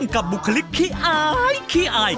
กับบุคลิกขี้อายขี้อาย